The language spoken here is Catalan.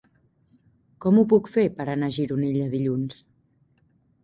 Com ho puc fer per anar a Gironella dilluns?